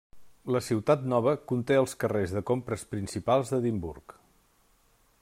La Ciutat Nova conté els carrers de compres principals d'Edimburg.